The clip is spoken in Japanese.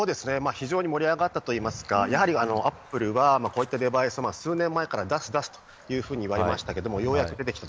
非常に盛り上がったといいますかやはりアップルはこういったデバイスを数年前から出すというふうに言われていましたがようやく出来た。